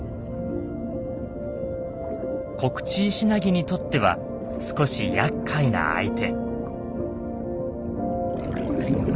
コクチイシナギにとっては少しやっかいな相手。